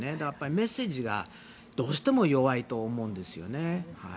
メッセージがどうしても弱いと思うんです。